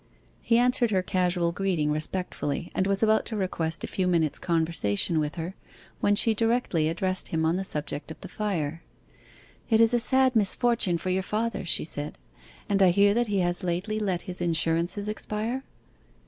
He answered her casual greeting respectfully, and was about to request a few minutes' conversation with her, when she directly addressed him on the subject of the fire. 'It is a sad misfortune for your father' she said, 'and I hear that he has lately let his insurances expire?